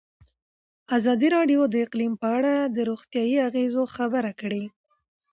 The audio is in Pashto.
ازادي راډیو د اقلیم په اړه د روغتیایي اغېزو خبره کړې.